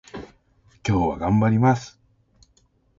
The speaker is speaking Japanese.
今日は頑張ります